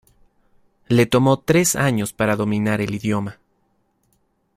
Le tomó tres años para dominar el idioma.